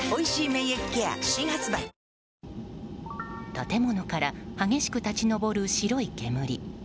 建物から激しく立ち上る白い煙。